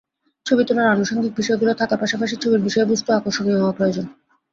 ছবি তোলার আনুষঙ্গিক বিষয়গুলো থাকার পাশাপাশি ছবির বিষয়বস্তুও আকর্ষণীয় হওয়া প্রয়োজন।